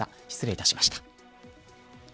失礼いたしました。